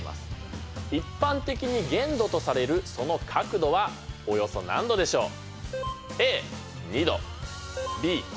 一般的に限度とされるその角度はおよそ何度でしょう。